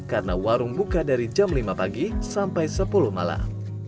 karena warung buka dari jam lima pagi sampai sepuluh malam